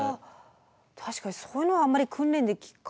確かにそういうのはあまり訓練で聞かない。